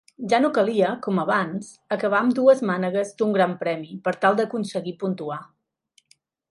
Ja no calia, com abans, acabar ambdues mànegues d'un Gran Premi per tal d'aconseguir puntuar.